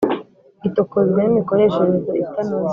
gitokozwa n’imikoreshereze itanoze,